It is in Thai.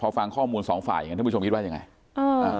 พอฟังข้อมูลสองฝ่ายอย่างเงี้ยถ้าผู้ชมคิดว่ายังไงอ่า